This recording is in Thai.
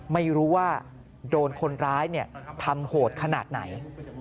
ไม่รู้ว่าโดนคนร้ายทำโหดขนาดไหน